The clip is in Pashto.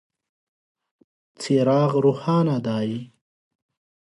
څراغ روښانه دی .